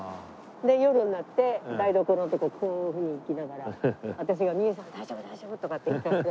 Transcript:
夜になって台所のとここういう風に行きながら私が「ミエさん大丈夫大丈夫」とかって言いながら。